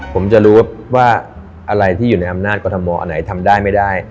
ผมจะรู้ว่าอะไรที่อยู่ในอำนาจกรทมอันไหนทำได้ไม่ได้